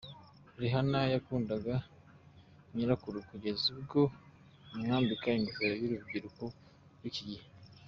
Rihanna yakundaga nyirakuru kugeza ubwo amwambika ingofero z'urubyiruko rw'iki gihe.